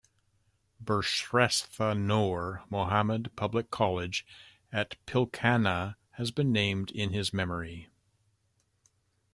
Birshreshtha Noor Mohammad Public College at Pilkhana has been named in his memory.